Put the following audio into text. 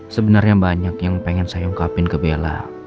sebenarnya banyak yang pengen saya ungkapin ke bella